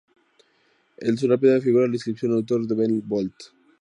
En su lápida figura la inscripción: "Autor de Ben Bolt".